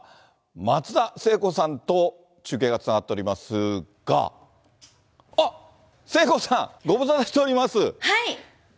松田聖子さんと中継がつながっておりますが、あっ、聖子さん、ご無沙汰しております。